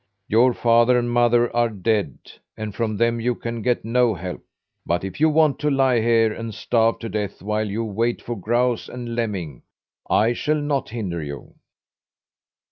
Your father and mother are dead, and from them you can get no help; but if you want to lie here and starve to death while you wait for grouse and lemming, I shall not hinder you."